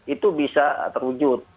itu bisa terwujud